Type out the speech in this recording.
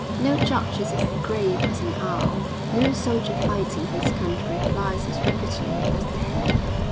No judge is as grave as an owl; no soldier fighting for his country flies as rapidly as the hare.